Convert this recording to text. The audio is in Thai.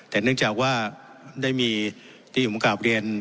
แต่เนื่องจากว่าได้มีที่ผมกลับเรียน